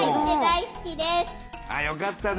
よかったね！